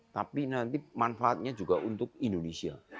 tapi nanti manfaatnya juga untuk indonesia